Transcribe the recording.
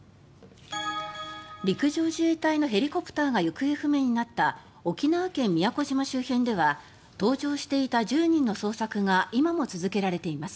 陸上自衛隊のヘリコプターが行方不明になった沖縄県・宮古島周辺では搭乗していた１０人の捜索が今も続けられています。